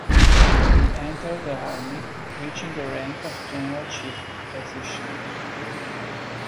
He entered the army reaching the rank of general chief physician.